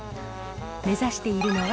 目指しているのは、